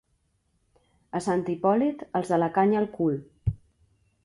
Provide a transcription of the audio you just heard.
A Sant Hipòlit, els de la canya al cul.